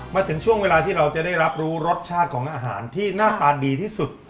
มาถึงช่วงเวลาที่เราจะได้รับรู้รสชาติของอาหารที่หน้าตาดีที่สุด